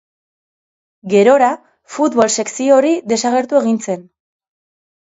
Gerora, futbol sekzio hori desagertu egin zen.